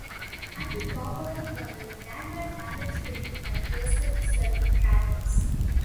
At the top of the pyramid there were tablets framed by grotesque serpent-dragons.